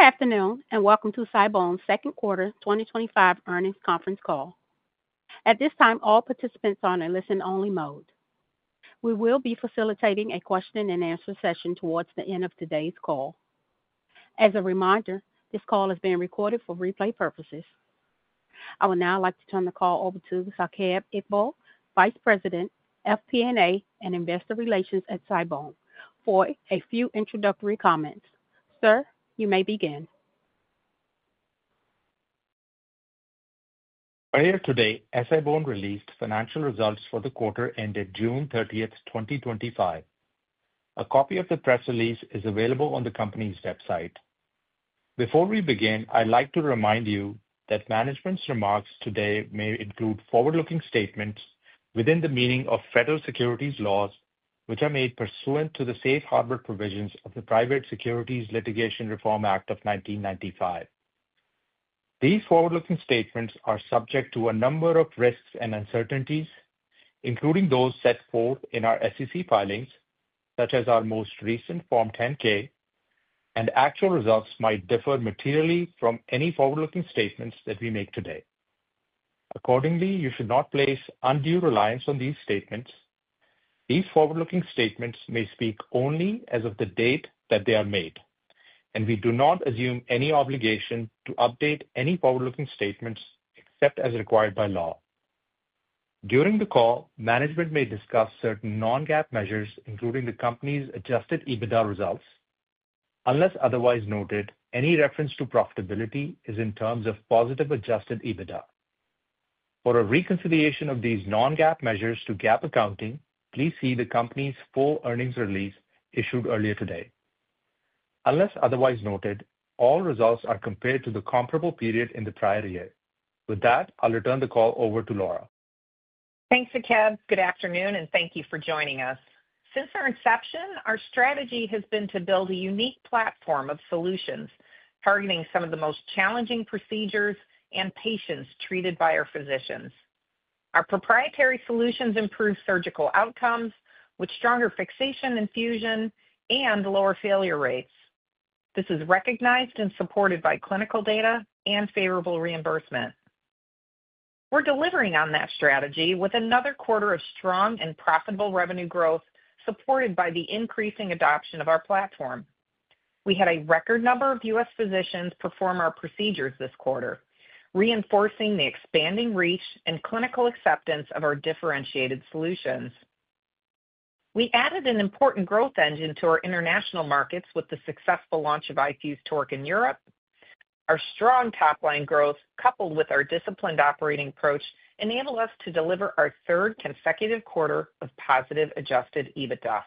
Good afternoon and welcome to SI-BONE's second quarter 2025 earnings conference call. At this time, all participants are in a listen-only mode. We will be facilitating a question and answer session towards the end of today's call. As a reminder, this call is being recorded for replay purposes. I would now like to turn the call over to Saqib Iqbal, Vice President, Financial Planning & Analysis and Investor Relations at SI-BONE for a few introductory comments. Sir, you may begin. Earlier today, SI-BONE released financial results for the quarter ended June 30th, 2025. A copy of the press release is available on the Company's website. Before we begin, I'd like to remind you that Management's remarks today may include forward-looking statements within the meaning of federal securities laws, which are made pursuant to the safe harbor provisions of the Private Securities Litigation Reform Act of 1995. These forward-looking statements are subject to a number of risks and uncertainties, including those set forth in our SEC filings, such as our most recent Form 10-K, and actual results might differ materially from any forward-looking statements that we make today. Accordingly, you should not place undue reliance on these statements. These forward-looking statements may speak only as of the date that they are made, and we do not assume any obligation to update any forward-looking statements except as required by law. During the call, Management may discuss certain non-GAAP measures, including the company's adjusted EBITDA results. Unless otherwise noted, any reference to profitability is in terms of positive adjusted EBITDA. For a reconciliation of these non-GAAP measures to GAAP accounting, please see the Company's full earnings release issued earlier today. Unless otherwise noted, all results are compared to the comparable period in the prior year. With that, I'll return the call over to Laura. Thanks, Saqib. Good afternoon and thank you for joining us. Since our inception, our strategy has been to build a unique platform of solutions targeting some of the most challenging procedures and patients treated by our physicians. Our proprietary solutions improve surgical outcomes with stronger fixation, infusion, and lower failure rates. This is recognized and supported by clinical data and favorable reimbursement. We're delivering on that strategy with another quarter of strong and profitable revenue growth supported by the increasing adoption of our platform. We had a record number of U.S. physicians perform our procedures this quarter, reinforcing the expanding reach and clinical acceptance of our differentiated solutions. We added an important growth engine to our international markets with the successful launch of iFuse TORQ in Europe. Our strong top line growth, coupled with our disciplined operating approach, enabled us to deliver our third consecutive quarter of positive adjusted EBITDA.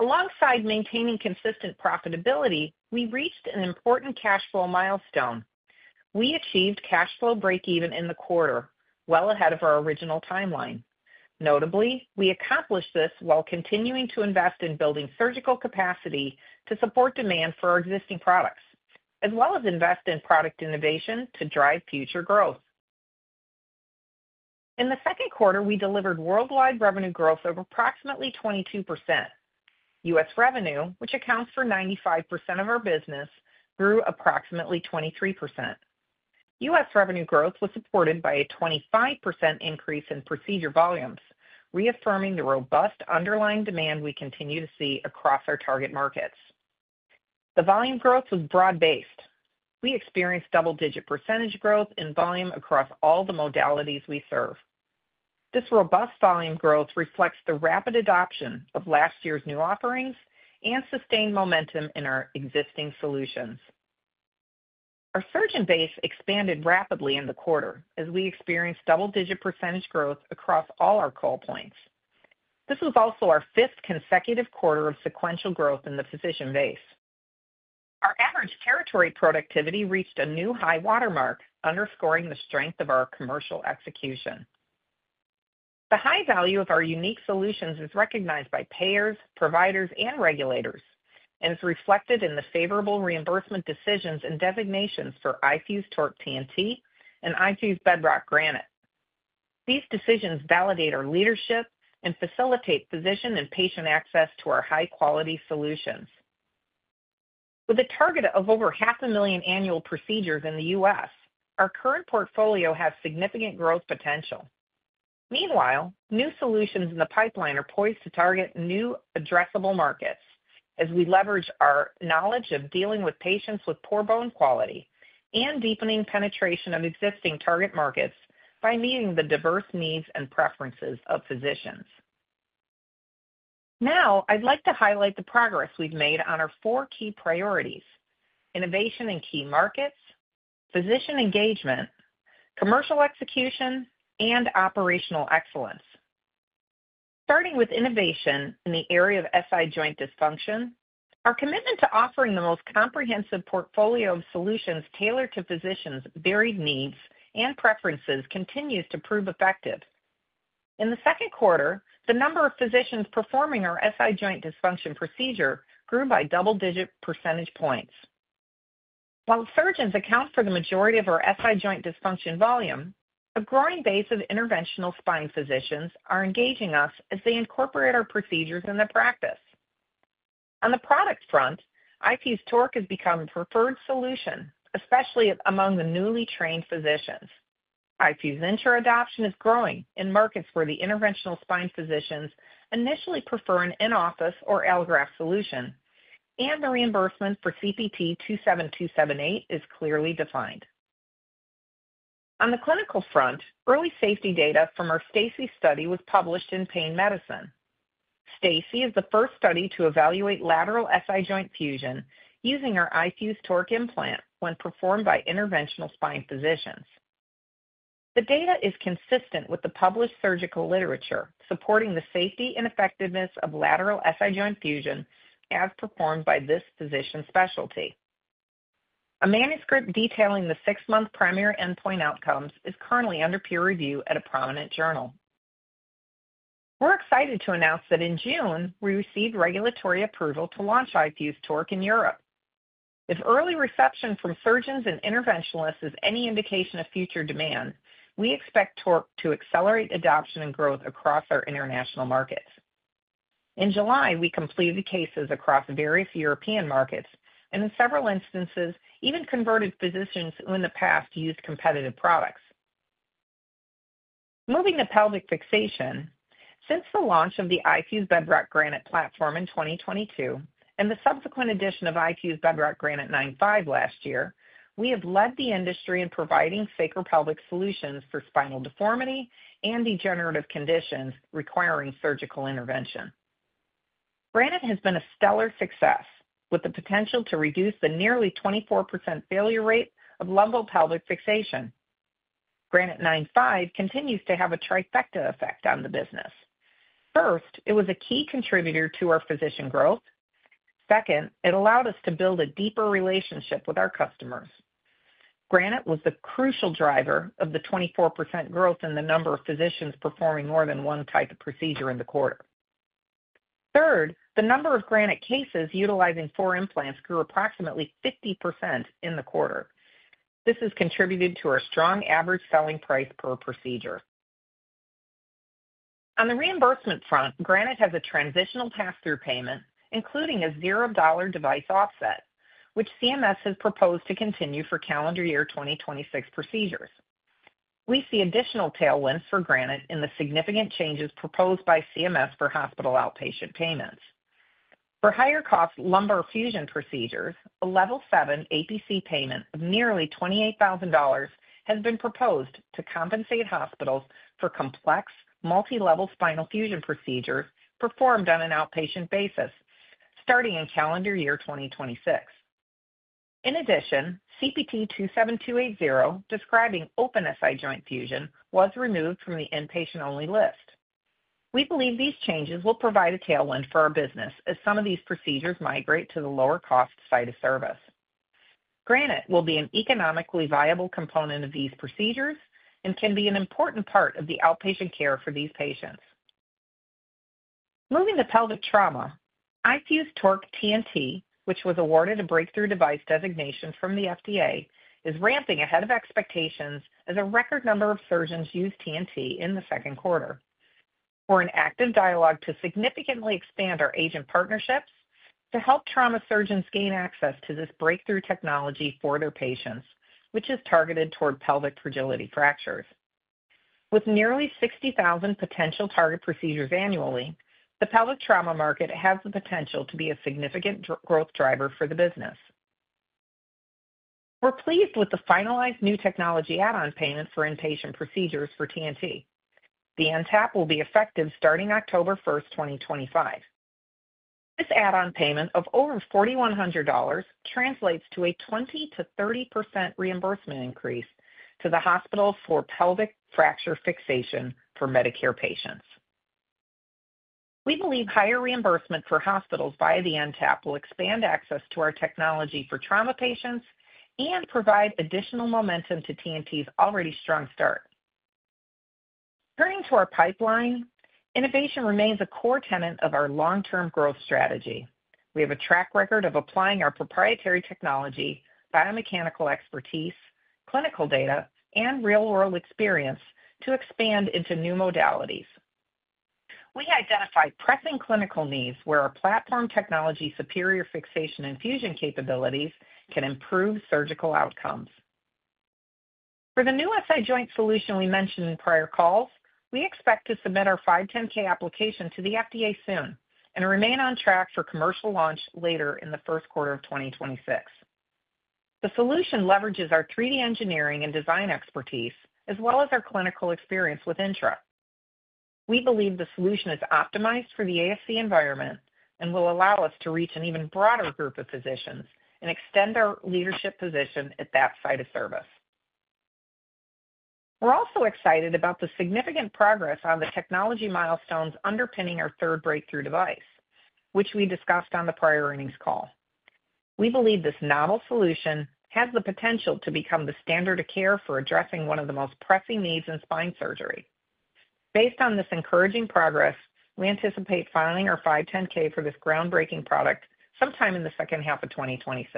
Alongside maintaining consistent profitability, we reached an important cash flow milestone. We achieved cash flow breakeven in the quarter well ahead of our original timeline. Notably, we accomplished this while continuing to invest in building surgical capacity to support demand for our existing products as well as invest in product innovation to drive future growth. In the second quarter, we delivered worldwide revenue growth of approximately 22%. U.S. revenue, which accounts for 95% of our business, grew approximately 23%. U.S. revenue growth was supported by a 25% increase in procedure volumes, reaffirming the robust underlying demand we continue to see across our target markets. The volume growth was broad based. We experienced double-digit percentage growth in volume across all the modalities we serve. This robust volume growth reflects the rapid adoption of last year's new offerings and sustained momentum in our existing solutions. Our surgeon base expanded rapidly in the quarter as we experienced double-digit percentage growth across all our call points. This was also our fifth consecutive quarter of sequential growth in the physician base. Our average territory productivity reached a new high watermark, underscoring the strength of our commercial execution. The high value of our unique solutions is recognized by payers, providers, and regulators and is reflected in the favorable reimbursement decisions and designations for iFuse TORQ, iFuse TORQ TNT, and iFuse Bedrock Granite. These decisions validate our leadership and facilitate physician and patient access to our high quality solutions. With a target of over half a million annual procedures in the U.S., our current portfolio has significant growth potential. Meanwhile, new solutions in the pipeline are poised to target new addressable markets as we leverage our knowledge of dealing with patients with poor bone quality and deepening penetration of existing target markets by meeting the diverse needs and preferences of physicians. Now I'd like to highlight the progress we've made on our four key innovation in key markets, physician engagement, commercial execution, and operational excellence. Starting with innovation in the area of SI joint dysfunction, our commitment to offering the most comprehensive portfolio of solutions tailored to physicians' varied needs and preferences continues to prove effective. In the second quarter, the number of physicians performing our SI joint dysfunction procedure grew by double digit percentage points, while surgeons account for the majority of our SI joint dysfunction volume. A growing base of interventional spine physicians are engaging us as they incorporate our procedures in the practice. On the product front, iFuse TORQ has become the preferred solution, especially among the newly trained physicians. iFuse INTRA adoption is growing in markets where the interventional spine physicians initially prefer an in office or allograft solution and the reimbursement for CPT 27278 is clearly defined. On the clinical front, early safety data from our STACI study was published in Pain Medicine. STACI is the first study to evaluate lateral SI joint fusion using our iFuse TORQ implant when performed by interventional spine physicians. The data is consistent with the published surgical literature supporting the safety and effectiveness of lateral SI joint fusion as performed by this physician specialty. A manuscript detailing the six month primary endpoint outcomes is currently under peer review at a prominent journal. We're excited to announce that in June we received regulatory approval to launch iFuse TORQ in Europe. If early reception from surgeons and interventionalists is any indication of future demand, we expect iFuse TORQ to accelerate adoption and growth across our international markets. In July, we completed cases across various European markets and in several instances even converted physicians who in the past used competitive products. Moving to Pelvic Fixation, since the launch of the iFuse Bedrock Granite platform in 2022 and the subsequent addition of Granite 9.5 last year, we have led the industry in providing sacropelvic solutions for spinal deformity and degenerative conditions requiring surgical intervention. Granite has been a stellar success with the potential to reduce the nearly 24% failure rate of lumbopelvic fixation. Granite 9.5 continues to have a trifecta effect on the business. First, it was a key contributor to our physician growth. Second, it allowed us to build a deeper relationship with our customers. Granite was the crucial driver of the 24% growth in the number of physicians performing more than one type of procedure in the quarter. Third, the number of Granite cases utilizing four implants grew approximately 50% in the quarter. This has contributed to our strong average selling price per procedure. On the reimbursement front, Granite has a transitional pass-through payment including a $0 device offset which CMS has proposed to continue for calendar year 2026 procedures. We see additional tailwinds for Granite in the significant changes proposed by CMS for hospital outpatient payments for higher cost lumbar fusion procedures. A Level 7 APC payment of nearly $28,000 has been proposed to compensate hospitals for complex multilevel spinal fusion procedure performed on an outpatient basis starting in calendar year 2026. In addition, CPT 27280 describing open SI joint fusion was removed from the inpatient only list. We believe these changes will provide a tailwind for our business as some of these procedures migrate to the lower cost site of service. Granite will be an economically viable component of these procedures and can be an important part of the outpatient care for these patients. Moving to pelvic trauma, iFuse TORQ TNT, which was awarded a Breakthrough Device designation from the FDA, is ramping ahead of expectations as a record number of surgeons use TNT. In the second quarter, we're in active dialogue to significantly expand our agent partnerships to help trauma surgeons gain access to this breakthrough technology for their patients, which is targeted toward pelvic fragility fractures. With nearly 60,000 potential target procedures annually, the pelvic trauma market has the potential to be a significant growth driver for the business. We're pleased with the finalized New Technology Add-on Payment for inpatient procedures for TNT. The NTAP will be effective starting October 1, 2025. This add-on payment of over $4,100 translates to a 20%-30% reimbursement increase for pelvic fracture fixation for Medicare patients. We believe higher reimbursement for hospitals via the NTAP will expand access to our technology for trauma patients and provide additional momentum to TNT's already strong start. Turning to our pipeline, innovation remains a core tenet of our long-term growth strategy. We have a track record of applying our proprietary technology, biomechanical expertise, clinical data, and real-world experience to expand into new modalities. We identified pressing clinical needs where our platform technology, superior fixation, and infusion capabilities can improve surgical outcomes. For the new SI joint solution we mentioned in prior calls, we expect to submit our 510 application to the FDA soon and remain on track for commercial launch later in the first quarter of 2026. The solution leverages our 3D engineering and design expertise as well as our clinical experience with INTRA. We believe the solution is optimized for the ASC environment and will allow us to reach an even broader group of physicians and extend our leadership position at that site of service. We're also excited about the significant progress on the technology milestones underpinning our third breakthrough device, which we discussed on the prior earnings call. We believe this novel solution has the potential to become the standard of care for addressing one of the most pressing needs in spine surgery. Based on this encouraging progress, we anticipate filing our 510 for this groundbreaking product sometime in the second half of 2026.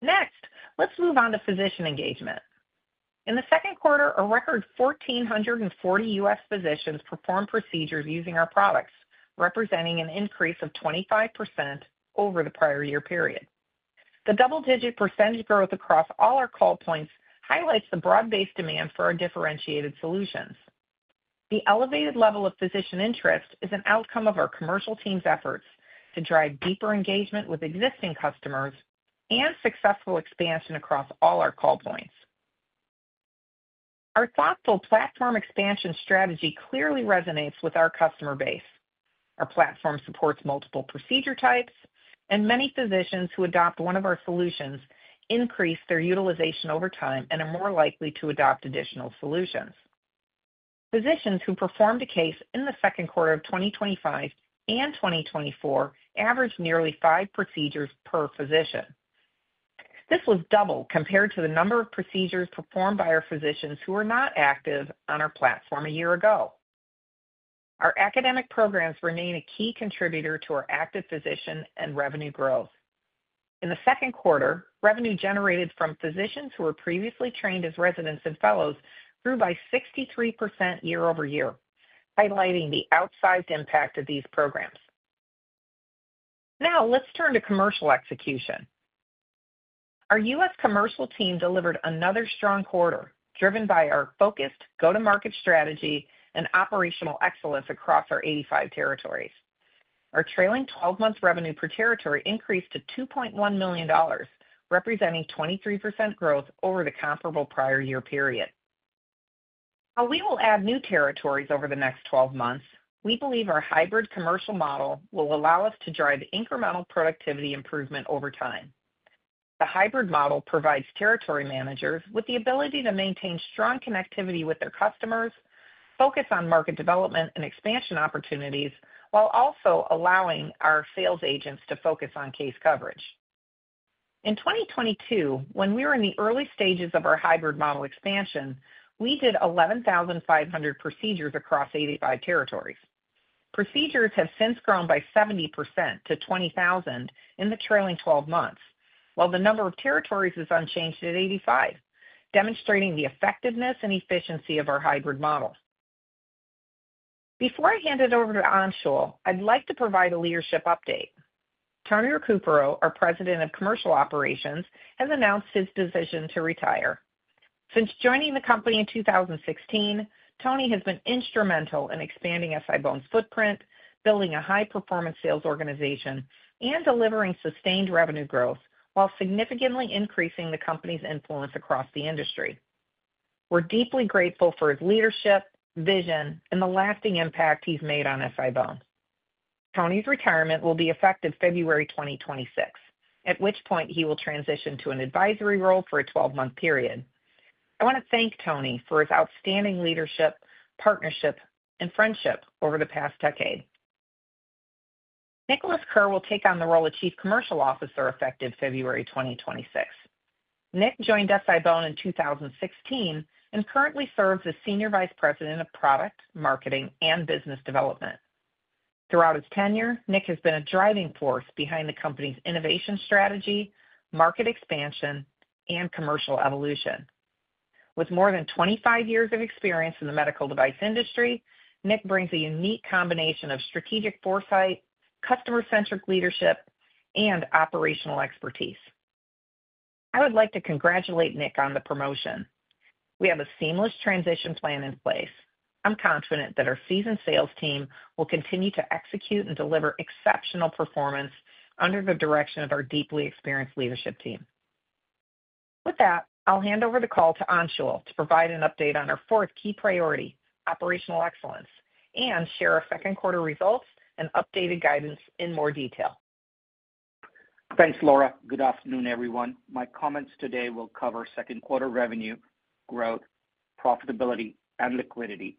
Next, let's move on to physician engagement. In the second quarter, a record 1,440 U.S. physicians performed procedures using our products, representing an increase of 25% over the prior year period. The double digit percentage growth across all our call points highlights the broad based demand for our differentiated solutions. The elevated level of physician interest is an outcome of our commercial team's efforts to drive deeper engagement with existing customers and successful expansion. Across all our call points, our thoughtful platform expansion strategy clearly resonates with our customer base. Our platform supports multiple procedure types and many physicians who adopt one of our solutions increase their utilization over time and are more likely to adopt additional solutions. Physicians who performed a case in the second quarter of 2025 and 2024 averaged nearly five procedures per physician. This was double compared to the number of procedures performed by our physicians who were not active on our platform a year ago. Our academic programs remain a key contributor to our active physician and revenue growth in the second quarter. Revenue generated from physicians who were previously trained as residents and fellows grew by 63% year-over-year, highlighting the outsized impact of these programs. Now let's turn to commercial execution. Our U.S. commercial team delivered another strong quarter driven by our focused go to market strategy and operational excellence across our 85 territories. Our trailing 12-month revenue per territory increased to $2.1 million, representing 23% growth over the comparable prior year period. While we will add new territories over the next 12 months, we believe our hybrid commercial model will allow us to drive incremental productivity improvement over time. The hybrid model provides territory managers with the ability to maintain strong connectivity with their customers, focus on market development and expansion opportunities, while also allowing our sales agents to focus on case coverage. In 2022, when we were in the early stages of our hybrid model expansion, we did 11,500 procedures across 85 territories. Procedures have since grown by 70% to 20,000 in the trailing 12 months while the number of territories is unchanged at 85, demonstrating the effectiveness and efficiency of our hybrid model. Before I hand it over to Anshul, I'd like to provide a leadership update. Tony Recupero, our President of Commercial Operations, has announced his decision to retire. Since joining the company in 2016, Tony has been instrumental in expanding SI-BONE's footprint, building a high performance sales organization, and delivering sustained revenue growth while significantly increasing the company's influence across the industry. We're deeply grateful for his leadership, vision, and the lasting impact he's made on SI-BONE. Tony's retirement will be effective February 2026, at which point he will transition to an advisory role for a 12 month period. I want to thank Tony for his outstanding leadership, partnership, and friendship over the past decade. Nicholas Kerr will take on the role of Chief Commercial Officer effective February 2026. Nick joined SI-BONE in 2016 and currently serves as Senior Vice President of Product Marketing and Business Development. Throughout his tenure, Nick has been a driving force behind the company's innovation strategy, market expansion, and commercial evolution. With more than 25 years of experience in the medical device industry, Nick brings a unique combination of strategic foresight, customer centric leadership, and operational expertise. I would like to congratulate Nick on the promotion. We have a seamless transition plan in place. I'm confident that our seasoned sales team will continue to execute and deliver exceptional performance under the direction of our deeply experienced leadership team. With that, I'll hand over the call to Anshul to provide an update on our fourth key priority, operational excellence, and share our second quarter results and updated guidance in more detail. Thanks, Laura. Good afternoon, everyone. My comments today will cover second quarter revenue growth, profitability, and liquidity,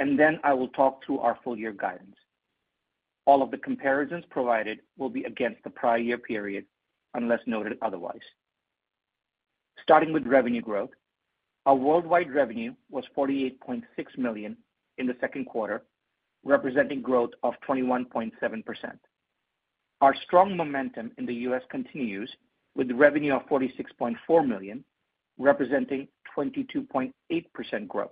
and then I will talk through our full year guidance. All of the comparisons provided will be against the prior year period unless noted otherwise. Starting with revenue growth, our worldwide revenue was $48.6 million in the second quarter, representing growth of 21.7%. Our strong momentum in the U.S. continues with revenue of $46.4 million, representing 22.8% growth.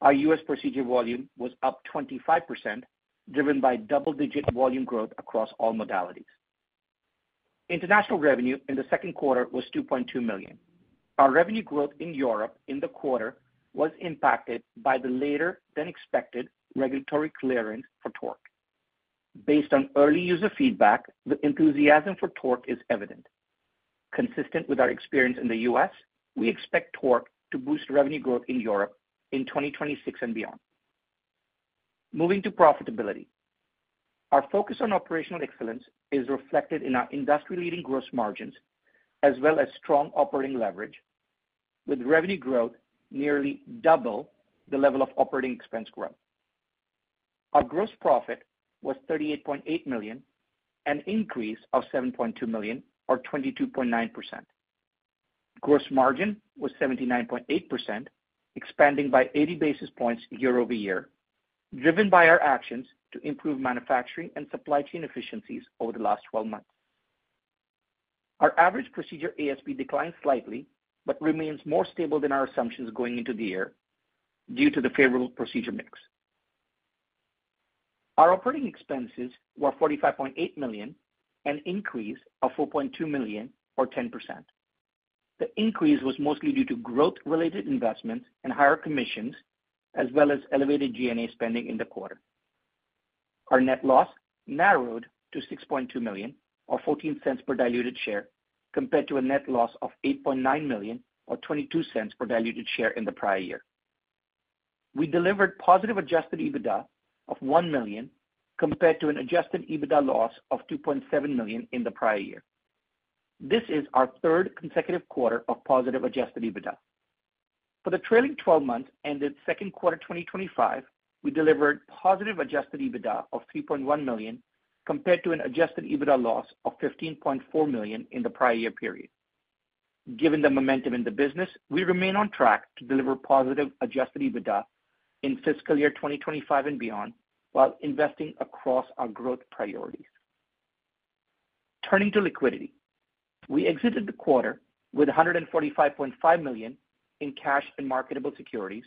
Our U.S. procedure volume was up 25%, driven by double-digit volume growth across all modalities. International revenue in the second quarter was $2.2 million. Our revenue growth in Europe in the quarter was impacted by the later than expected regulatory clearance for iFuse TORQ based on early user feedback. The enthusiasm for iFuse TORQ is evident. Consistent with our experience in the U.S., we expect iFuse TORQ to boost revenue growth in Europe in 2026 and beyond. Moving to profitability, our focus on operational excellence is reflected in our industry-leading gross margins as well as strong operating leverage, with revenue growth nearly double the level of operating expense growth. Our gross profit was $38.8 million, an increase of $7.2 million or 22.9%. Gross margin was 79.8%, expanding by 80 basis points year-over-year, driven by our actions to improve manufacturing and supply chain efficiencies. Over the last 12 months, our average procedure ASP declined slightly but remains more stable than our assumptions going into the year due to the favorable procedure mix. Our operating expenses were $45.8 million, an increase of $4.2 million or 10%. The increase was mostly due to growth-related investments and higher commissions as well as elevated G&A spending. In the quarter, our net loss narrowed to $6.2 million or $0.14 per diluted share compared to a net loss of $8.9 million or $0.22 per diluted share in the prior year. We delivered positive adjusted EBITDA of $1 million compared to an adjusted EBITDA loss of $2.7 million in the prior year. This is our third consecutive quarter of positive adjusted EBITDA. For the trailing 12 months ended second quarter 2025, we delivered positive adjusted EBITDA of $3.1 million compared to an adjusted EBITDA loss of $15.4 million in the prior year period. Given the momentum in the business, we remain on track to deliver positive adjusted EBITDA in fiscal year 2025 and beyond while investing across our growth priorities. Turning to liquidity, we exited the quarter with $145.5 million in cash and marketable securities,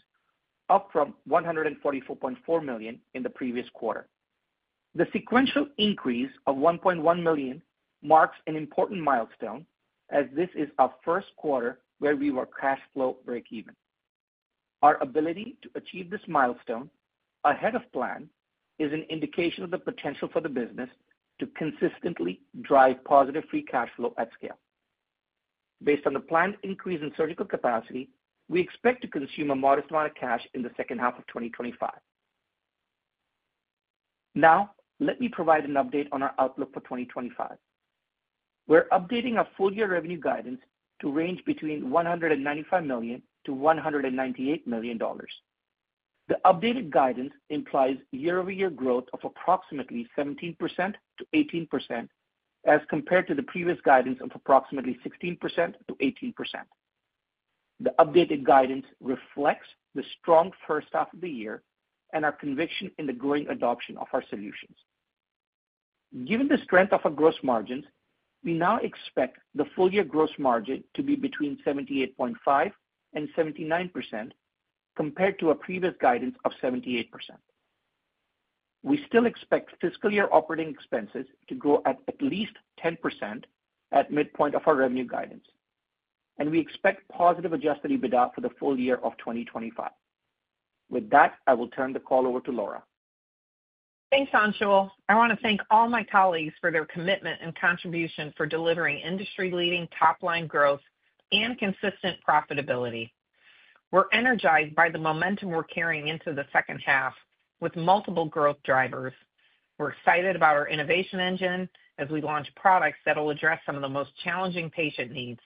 up from $144.4 million in the previous quarter. The sequential increase of $1.1 million marks an important milestone as this is our first quarter where we were cash flow breakeven. Our ability to achieve this milestone ahead of plan is an indication of the potential for the business to consistently drive positive free cash flow at scale. Based on the planned increase in surgical capacity, we expect to consume a modest amount of cash in the second half of 2025. Now let me provide an update on our outlook for 2025. We're updating our full year revenue guidance to range between $195 million-$198 million. The updated guidance implies year-over-year growth of approximately 17%-18% as compared to the previous guidance of approximately 16%-18%. The updated guidance reflects the strong first half of the year and our conviction in the growing adoption of our solutions. Given the strength of our gross margins, we now expect the full year gross margin to be between 78.5% and 79% compared to a previous guidance of 78%. We still expect fiscal year operating expenses to grow at least 10% at midpoint of our revenue guidance and we expect positive adjusted EBITDA for the full year of 2025. With that, I will turn the call over to Laura. Thanks Anshul. I want to thank all my colleagues for their commitment and contribution for delivering industry leading top line growth and consistent profitability. We're energized by the momentum we're carrying into the second half with multiple growth drivers. We're excited about our innovation engine as we launch products that will address some of the most challenging patient needs.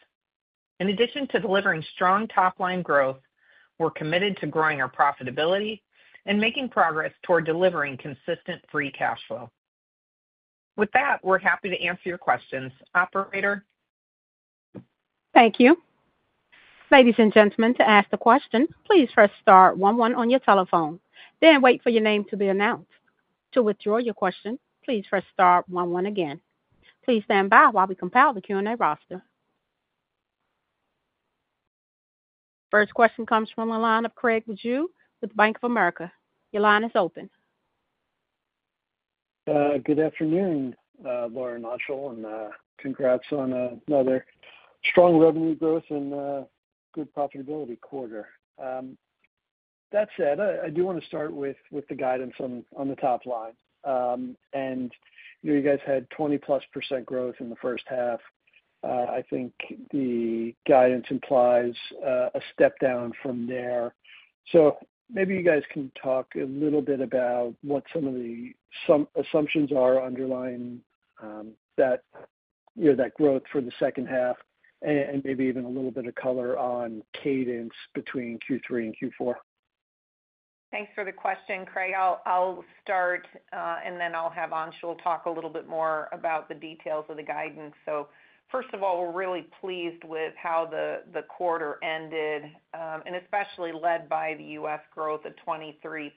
In addition to delivering strong top line growth, we're committed to growing our profitability and making progress toward delivering consistent free cash flow. With that, we're happy to answer your questions. Operator. Thank you ladies and gentlemen. To ask the question, please first start 1:1 on your telephone, then wait for your name to be announced. To withdraw your question, please press Star one one again. Please stand by while we compile the Q and A roster. First question comes from the line of Craig Bijou with Bank of America. Your line is open. Good afternoon, Laura and Anshul, and congrats on another strong revenue growth and good profitability quarter. That said, I do want to start with the guidance on the top line and you guys had 20+% growth in the first half. I think the guidance implies a step down from there. Maybe you guys can talk a little bit about what some of the assumptions are underlying that growth for the second half and maybe even a little bit of color on cadence between Q3 and Q4. Thanks for the question, Craig. I'll start and then I'll have Anshul talk a little bit more about the details of the guidance. First of all, we're really pleased with how the quarter ended and especially led by the U.S. growth of 23%.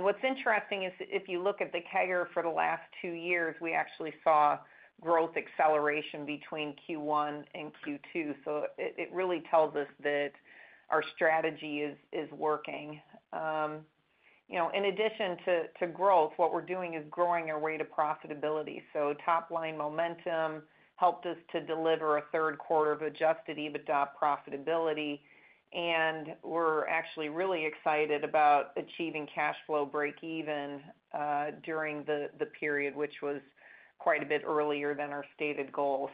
What's interesting is if you look at the CAGR for the last two years, we actually saw growth acceleration between Q1 and Q2. It really tells us that our strategy is working. In addition to growth, what we're doing is growing our way to profitability. Top line momentum helped us to deliver a third quarter of adjusted EBITDA profitability. We're actually really excited about achieving cash flow breakeven during the period, which was quite a bit earlier than our stated goal.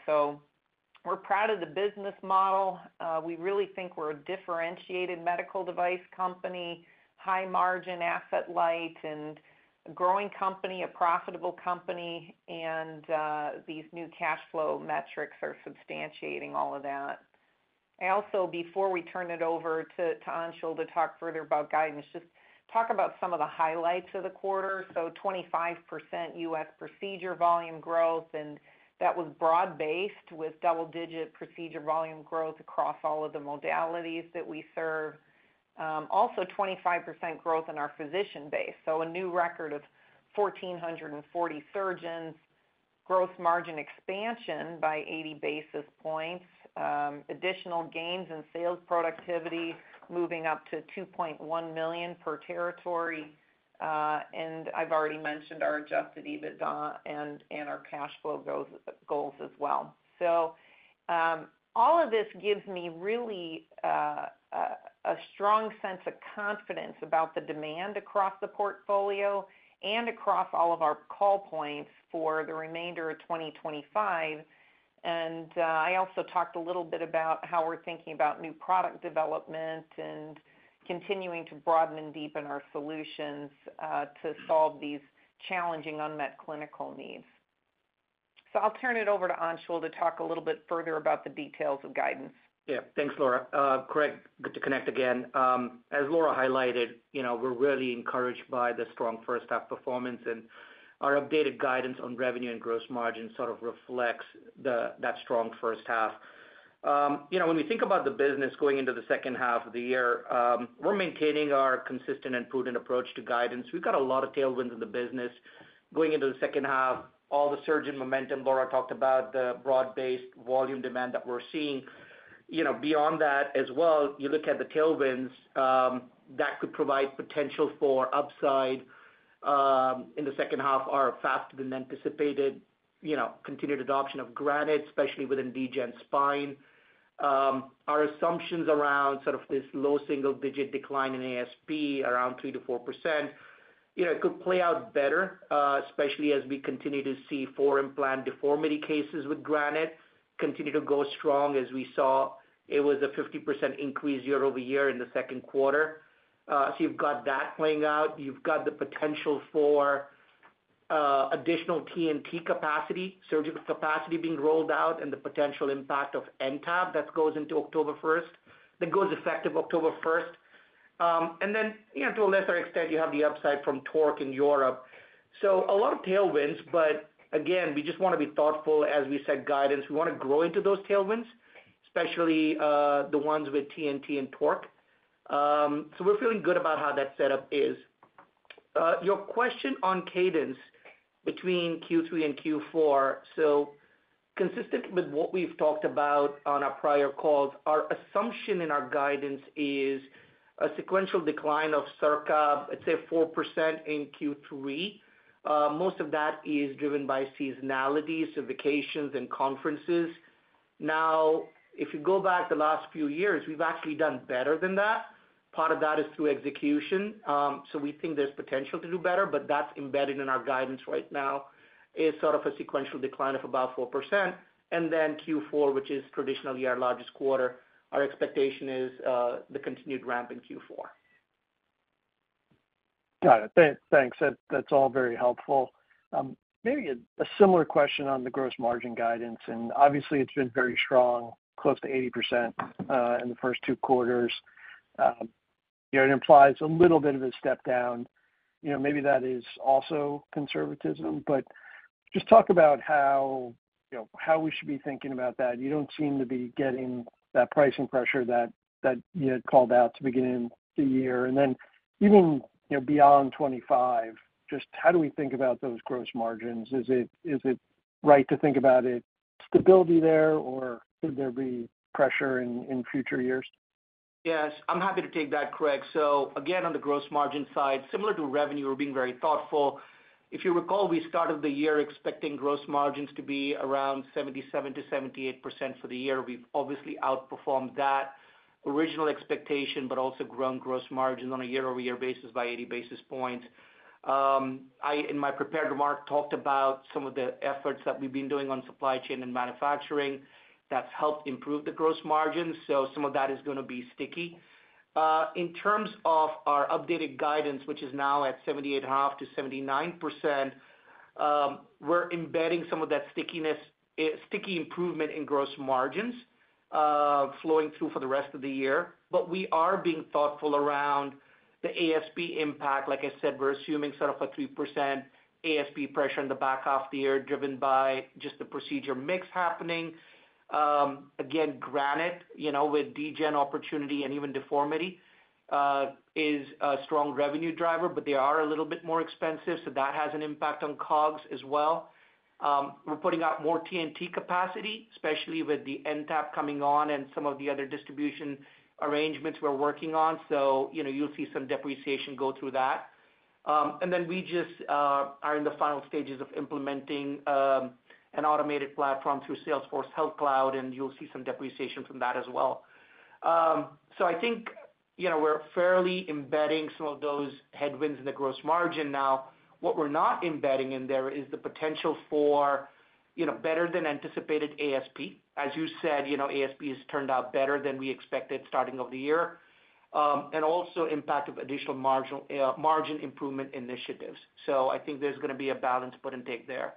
We're proud of the business model. We really think we're a differentiated medical device company, high margin, asset light and growing company, a profitable company. These new cash flow metrics are substantiating all of that. Also, before we turn it over to Anshul to talk further about guidance, just talk about some of the highlights of the quarter. 25% U.S. procedure volume growth and that was broad based with double digit procedure volume growth across all of the modalities that we serve. Also, 25% growth in our physician base. A new record of 1,440 surgeons, gross margin expansion by 80 basis points, additional gains in sales productivity moving up to $2.1 million per territory. I've already mentioned our adjusted EBITDA and our cash flow goals as well. All of this gives me really a strong sense of confidence about the demand across the portfolio and across all of our call points for the remainder of 2025. I also talked a little bit about how we're thinking about new product development and continuing to broaden and deepen our solutions to solve these challenging unmet clinical needs. I'll turn it over to Anshul to talk a little bit further about the details of guidance. Yeah, thanks Laura. Craig, good to connect again. As Laura highlighted, we're really encouraged by the strong first half performance and our updated guidance on revenue and gross margin reflects that strong first half. When we think about the business going into the second half of the year, we're maintaining our consistent and prudent approach to guidance. We've got a lot of tailwinds in the business going into the second half. All the surge in momentum. Laura talked about the broad-based volume demand that we're seeing. Beyond that as well, you look at the tailwinds that could provide potential for upside in the second half are faster than anticipated. Continued adoption of Granite, especially within Degen spine, our assumptions around this low single-digit decline in ASP around 3%-4%. It could play out better, especially as we continue to see foreign plant deformity cases with Granite continue to go strong. As we saw, it was a 50% increase year-over-year in the second quarter. You've got that playing out. You've got the potential for additional TNT capacity, surgical capacity being rolled out, and the potential impact of NTAP that goes into effect October 1st. To a lesser extent, you have the upside from TORQ in Europe. A lot of tailwinds. We just want to be thoughtful as we set guidance. We want to grow into those tailwinds, especially the ones with TNT and TORQ. We're feeling good about how that setup is. Your question on cadence between Q3 and Q4, consistent with what we've talked about on our prior calls, our assumption in our guidance is a sequential decline of circa, I'd say, 4% in Q3. Most of that is driven by seasonality, so vacations and conferences. If you go back the last few years, we've actually done better than that. Part of that is through execution. We think there's potential to do better, but that's embedded in our guidance right now, a sequential decline of about 4%. Q4, which is traditionally our largest quarter, our expectation is the continued ramp in Q4. Got it, thanks. That's all very helpful. Maybe a similar question on the gross margin guidance, and obviously it's been very strong, close to 80% in the first two quarters. It implies a little bit of a step down. Maybe that is also conservatism, but just talk about how we should be thinking about that. You don't seem to be getting that pricing pressure that you had called out at the beginning of the year and then even beyond 2025. Just how do we think about those gross margins? Is it right to think about stability there or will there be pressure in future years? Yes, I'm happy to take that, Craig. Again, on the gross margin side, similar to revenue, we're being very thoughtful. If you recall, we started the year expecting gross margins to be around 77%-78% for the year. We've obviously outperformed that original expectation but also growing gross margin on a year-over-year basis by 80 basis points. In my prepared remarks, I talked about some of the efforts that we've been doing on supply chain and manufacturing that's helped improve the gross margin. Some of that is going to be sticky in terms of our updated guidance, which is now at 78.5%-79%. We're embedding some of that sticky improvement in gross margins flowing through for the rest of the year. We are being thoughtful around the ASP impact. Like I said, we're assuming sort of a 3% ASP pressure in the back half of the year driven by just the procedure mix happening again. Granite with Degen, Opportunity, and even Deformity is a strong revenue driver, but they are a little bit more expensive, so that has an impact on COGS as well. We're putting out more TNT capacity, especially with the NTAP coming on and some of the other distribution arrangements we're working on. You'll see some depreciation go through that, and we are in the final stages of implementing an automated platform through Salesforce Health Cloud, and you'll see some depreciation from that as well. I think we're fairly embedding some of those headwinds in the gross margin. What we're not embedding in there is the potential for better than anticipated ASP. As you said, ASP has turned out better than we expected at the start of the year and also the impact of additional margin improvement initiatives. I think there's going to be a balance, put and take there,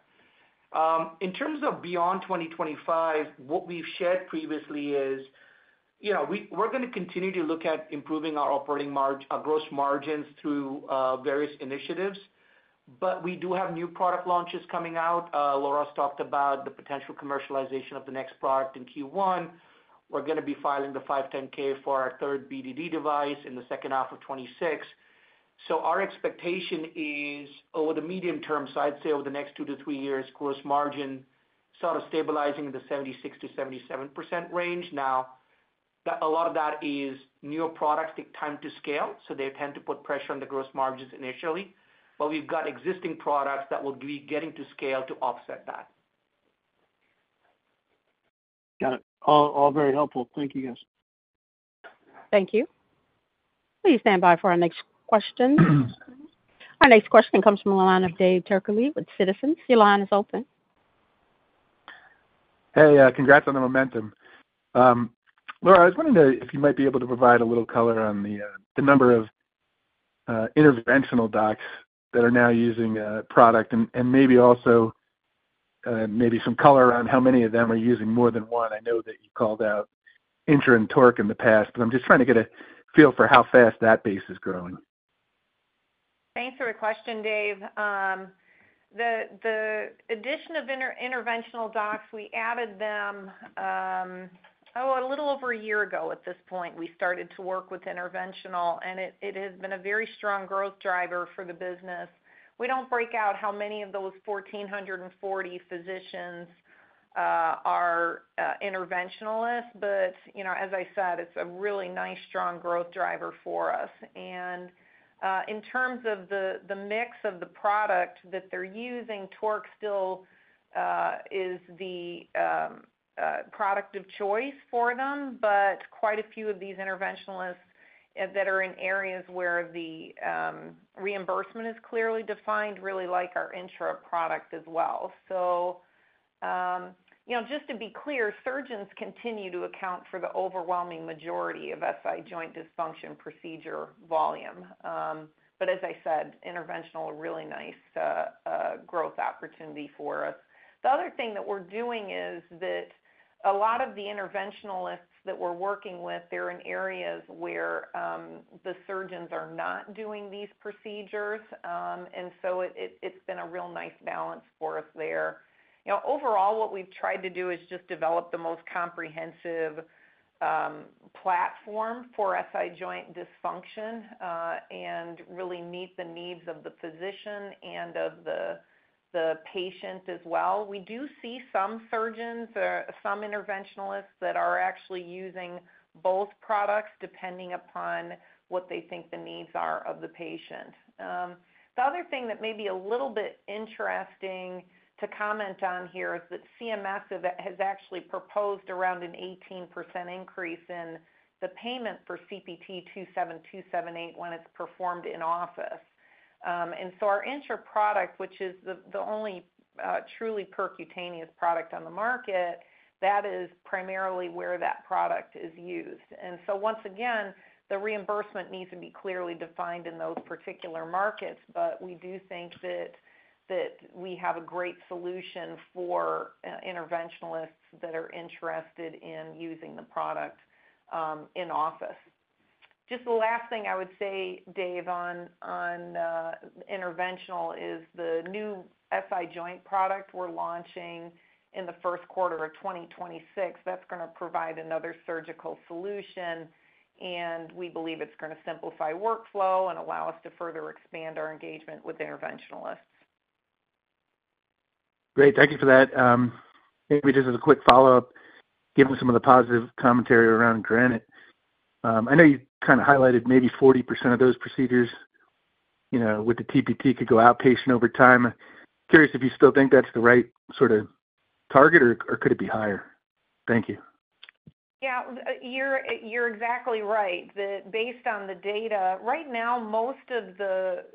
in terms of beyond 2025. What we've shared previously is we're going to continue to look at improving our operating gross margins through various initiatives. We do have new product launches coming out. Laura talked about the potential commercialization of the next product in Q1. We're going to be filing the 510 for our third breakthrough device in 2H 2026, so our expectation is over the medium term. I'd say over the next two to three years, gross margin sort of stabilizing in the 76%-77% range. Now, a lot of that is newer products take time to scale, so they tend to put pressure on the gross margins initially. We've got existing products that will be getting to scale to offset that. Got it. All very helpful. Thank you, guys. Thank you. Please stand by for our next question. Our next question comes from the line of Dave Turkaly with Citizens. Your line is open. Hey, congrats on the momentum. Laura, I was wondering if you might be able to provide a little color on the number of interventional docs that are now using product and maybe also maybe some color on how many of them are using more than one. I know that you called out INTRA and TORQ in the past, but I'm just trying to get a feel for how fast that base is growing. Thanks for the question, Dave. The addition of interventional docs, we added them, oh, a little over a year ago at this point. We started to work with interventional and it has been a very strong growth driver for the business. We don't break out how many of those 1,440 physicians are interventionalists, but you know, as I said, it's a really nice, strong growth driver for us. In terms of the mix of the product that they're using, iFuse TORQ is the product of choice for them, but quite a few of these interventionalists that are in areas where the reimbursement is clearly defined really like our iFuse INTRA product as well. Just to be clear, surgeons continue to account for the overwhelming majority of SI joint dysfunction procedure volume. As I said, interventional is a really nice growth opportunity for us. The other thing that we're doing is that a lot of the interventionalists that we're working with, they're in areas where the surgeons are not doing these procedures, and it's been a real nice balance for us there. Overall, what we've tried to do is just develop the most comprehensive platform for SI joint dysfunction and really meet the needs of the physician and of the patient as well. We do see some surgeons, some interventionalists that are actually using both products depending upon what they think the needs are of the patient. The other thing that may be a little bit interesting to comment on here is that CMS has actually proposed around an 18% increase in the payment for CPT 27278 when it's performed in office. Our iFuse INTRA product, which is the only truly percutaneous product on the market, that is primarily where that product is used. Once again, the reimbursement needs to be clearly defined in those particular markets, but we do think that we have a great solution for interventionalists that are interested in using the product in office. Just the last thing I would say, Dave, on interventional is the new SI joint solution optimized for the ASC environment we're launching in the first quarter of 2026 that's going to provide another surgical solution, and we believe it's going to simplify workflow and allow us to further expand our engagement with interventionalists. Great, thank you for that. Just as a quick follow-up, given some of the positive commentary around Granite, I know you kind of highlighted maybe 40% of those procedures, you know, with the TPT, could go outpatient over time. Curious if you still think that's the right sort of target or could it be higher? Thank you. Yeah, you're exactly right that based on the data right now most of the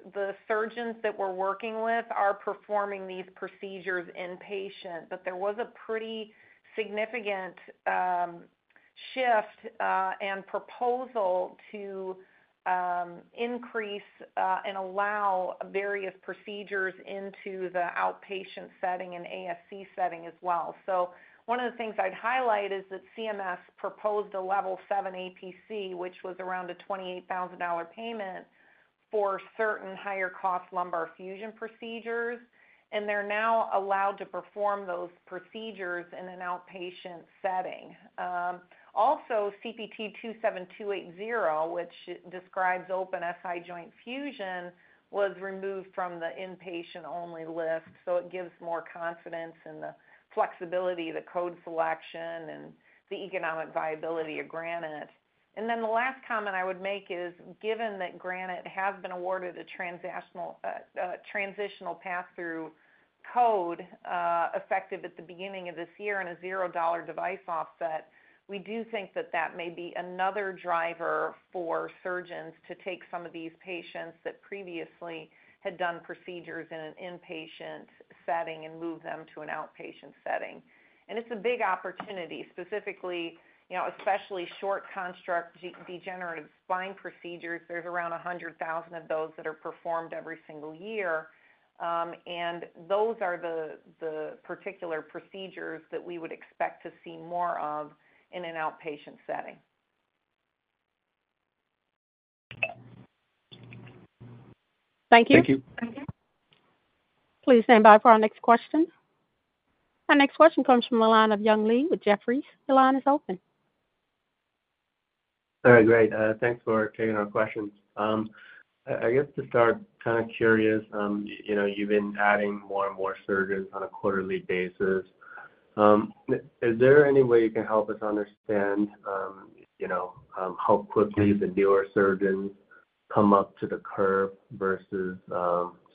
surgeons that we're working with are performing these procedures inpatient. There was a pretty significant shift and proposal to increase and allow various procedures into the outpatient setting and ASC setting as well. One of the things I'd highlight is that CMS proposed a Level 7 APC, which was around a $28,000 payment for certain higher cost lumbar fusion procedures, and they're now allowed to perform those procedures in an outpatient setting. Also, CPT 27280, which describes open SI joint fusion, was removed from the inpatient only list. It gives more confidence in the flexibility, the code selection, and the economic viability of Granite. The last comment I would make is given that Granite has been awarded a transitional pass-through code effective at the beginning of this year and a $0 device offset, we do think that that may be another driver for surgeons to take some of these patients that previously had done procedures in an inpatient setting and move them to an outpatient setting. It's a big opportunity, specifically, especially short construct degenerative spine procedures. There's around 100,000 of those that are performed every single year. Those are the particular procedures that we would expect to see more of in an outpatient setting. Thank you. Please stand by for our next question. Our next question comes from the line of Young Li with Jefferies. The line is open. All right, great. Thanks for taking our questions. I guess to start, kind of curious, you've been adding more and more surgeons on a quarterly basis. Is there any way you can help us understand how quickly the newer surgeons come up to the curve versus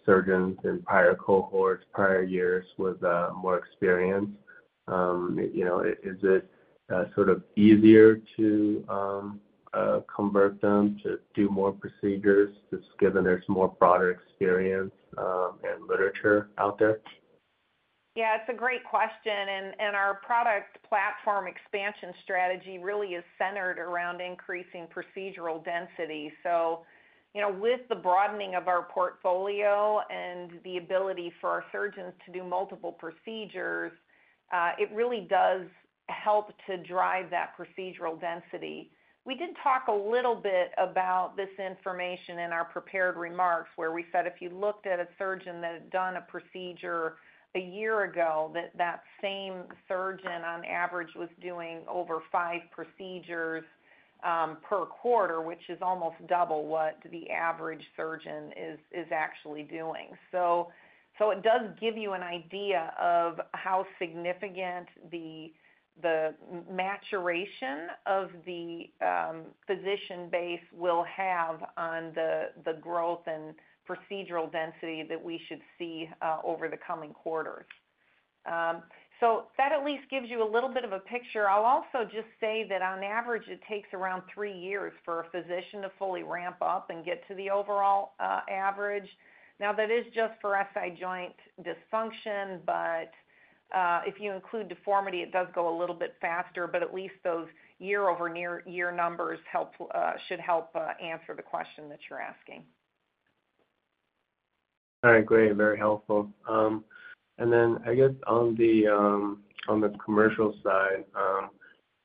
surgeons in prior cohorts, prior years with more experience? Is it sort of easier to convert them to do more procedures, given there's more broader experience and literature out there? Yeah, it's a great question. Our product platform expansion strategy really is centered around increasing procedural density. With the broadening of our portfolio and the ability for our surgeons to do multiple procedures, it really does help to drive that procedural density. We did talk a little bit about this information in our prepared remarks where we said if you looked at a surgeon that had done a procedure a year ago, that same surgeon on average was doing over five procedures per quarter, which is almost double what the average surgeon is actually doing. It does give you an idea of how significant the maturation of the physician base will have on the growth and procedural density that we should see over the coming quarters. That at least gives you a little bit of a picture. I'll also just say that on average, it takes around three years for a physician to fully ramp up and get to the overall average. Now, that is just for SI joint dysfunction, but if you include deformity, it does go a little bit faster. At least those year-over-year numbers should help answer the question that you're asking. All right, great. Very helpful. I guess on the commercial side,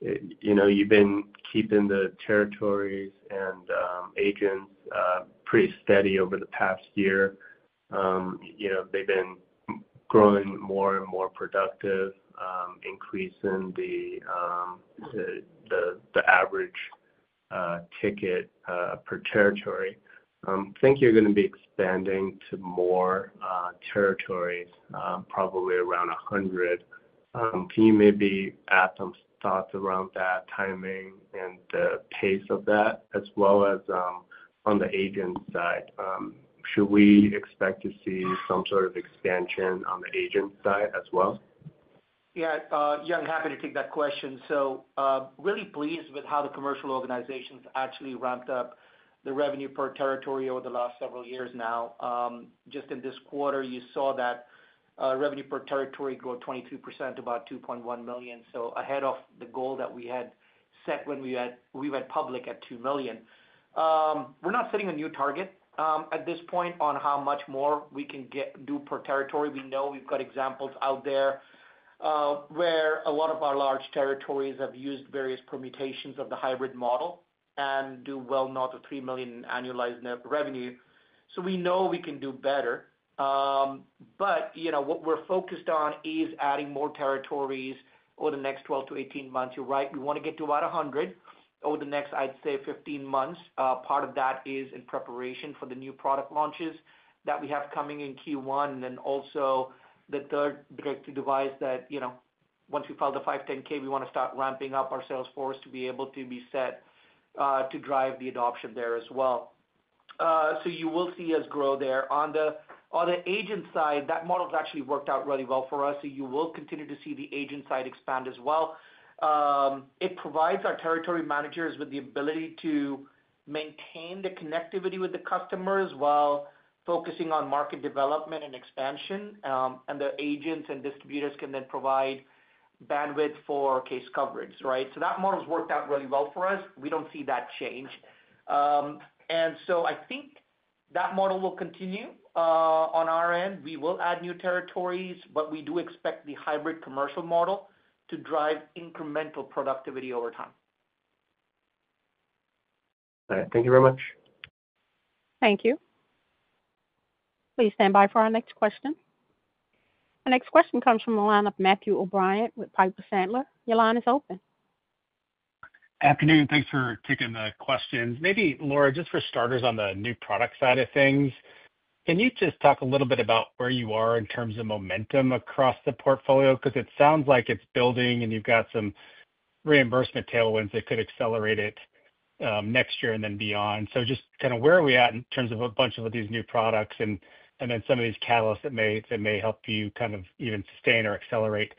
you've been keeping the territories and agents pretty steady over the past year. They've been growing more and more productive, increasing the average ticket per territory. I think you're going to be expanding to more territories, probably around 100, maybe atoms. Thoughts around that timing and the pace of that as well as on the agent side, should we expect to see some sort of expansion on the agent side as well? Yeah, happy to take that question. Really pleased with how the commercial organization's actually ramped up the revenue per territory over the last several years. Just in this quarter, you saw that revenue per territory grow 23%, about $2.1 million. Ahead of the goal that we had set when we went public at $2 million. We're not setting a new target at this point on how much more we can do per territory. We know we've got examples out there where a lot of our large territories have used various permutations of the hybrid model and do well north of $3 million annualized net revenue. We know we can do better. What we're focused on is adding more territories over the next 12-18 months. You're right. We want to get to about 100 over the next, I'd say, 15 months. Part of that is in preparation for the new product launches that we have coming in Q1 and also the third device that, once we file the 510, we want to start ramping up our sales force to be able to be set to drive the adoption there as well. You will see us grow there on the agent side. That model's actually worked out really well for us. You will continue to see the agent side expand as well. It provides our territory managers with the ability to maintain the connectivity with the customers while focusing on market development and expansion. The agents and distributors can then provide bandwidth for case coverage. That model's worked out really well for us. We don't see that change. I think that model will continue on our end. We will add new territories, but we do expect the hybrid commercial model to drive incremental productivity over time. All right, thank you very much. Thank you. Please stand by for our next question. Our next question comes from the line of Matthew O'Brien with Piper Sandler. Your line is open. Afternoon. Thanks for taking the questions. Maybe, Laura, just for starters, on the new product side of things, can you just talk a little bit about where you are in terms of momentum across the portfolio? It sounds like it's building and you've got some reimbursement tailwinds that could accelerate it next year and then beyond. Just kind of where are we at in terms of a bunch of these new products and then some of these catalysts that may help you even sustain or accelerate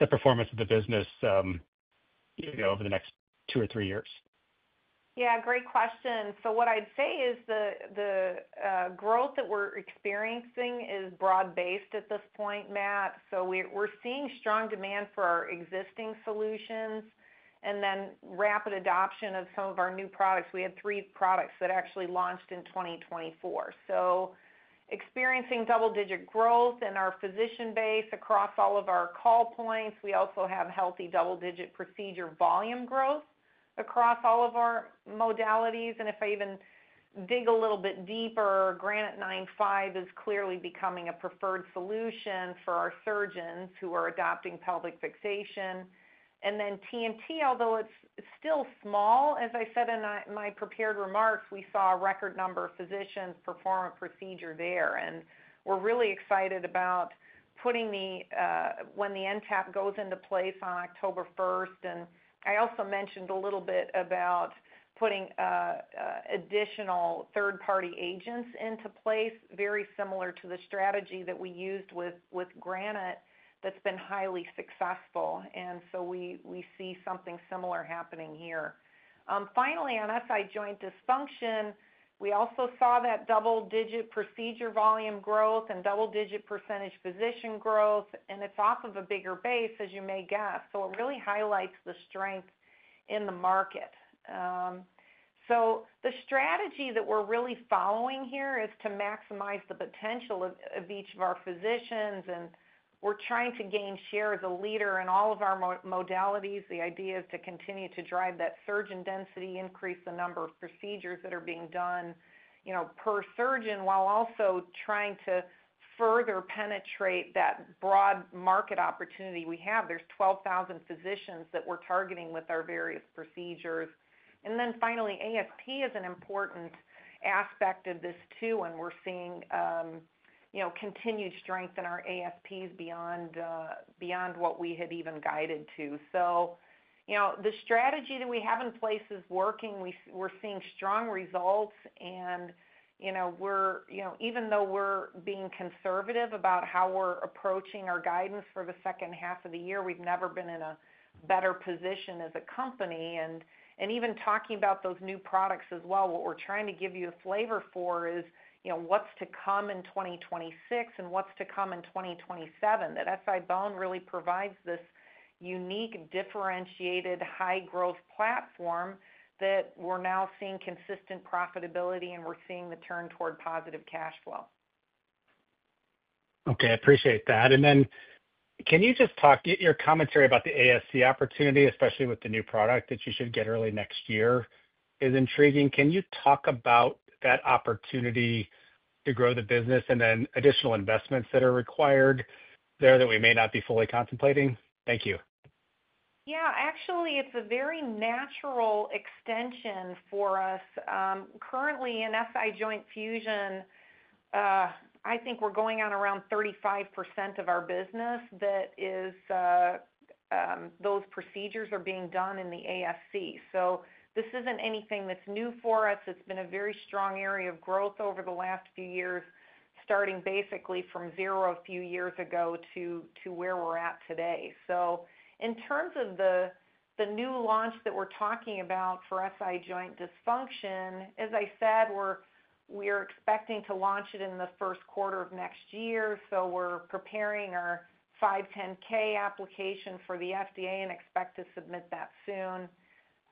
the performance of the business over the next two or three years? Yeah, great question. What I'd say is the growth that we're experiencing is broad based at this point, Matt. We're seeing strong demand for our existing solutions and then rapid adoption of some of our new products. We had three products that actually launched in 2024, so experiencing double digit growth in our physician base across all of our call points. We also have healthy double digit procedure volume growth across all of our modalities. If I even dig a little bit deeper, Granite 9.5 is clearly becoming a preferred solution for our surgeons who are adopting pelvic fixation and then TORQ TNT, although it's still small. As I said in my prepared remarks, we saw a record number of physicians perform a procedure there. We're really excited about when the NTAP goes into place on October 1, and I also mentioned a little bit about putting additional third party agents into place, very similar to the strategy that we used with Granite. That's been highly successful. We see something similar happening here. Finally, on SI joint dysfunction, we also saw that double digit procedure volume growth and double digit percentage physician growth. It's off of a bigger base, as you may guess. It really highlights the strength in the market. The strategy that we're really following here is to maximize the potential of each of our physicians, and we're trying to gain share as a leader in all of our modalities. The idea is to continue to drive that surgeon density, increase the number of procedures that are being done per surgeon, while also trying to further penetrate that broad market opportunity we have. There's 12,000 physicians that we're targeting with our various procedures. Finally, ASP is an important aspect of this too, and we're seeing continued strength in our ASPs beyond what we had even guided to. The strategy that we have in place is working. We're seeing strong results. Even though we're being conservative about how we're approaching our guidance for the second half of the year, we've never been in a better position as a company. Even talking about those new products as well, what we're trying to give you a flavor for is what's to come in 2026 and what's to come in 2027. SI-BONE really provides this unique, differentiated high growth platform that we're now seeing consistent profitability and we're seeing the turn toward positive cash flow. Okay, I appreciate that. Can you just talk about your commentary about the ASC opportunity, especially with the new product that you should get early next year? It is intriguing. Can you talk about that opportunity to grow the business and then additional investments that are required there that we may not be fully contemplating? Thank you. Yeah, actually, it's a very natural extension for us. Currently in SI joint fusion, I think we're going on around 35% of our business. That is, those procedures are being done in the ASC. This isn't anything that's new for us. It's been a very strong area of growth over the last few years, starting basically from zero a few years ago to where we're at today. In terms of the new launch that we're talking about for SI joint dysfunction, as I said, we're expecting to launch it in the first quarter of next year. We're preparing our 510(k) application for the FDA and expect to submit that soon.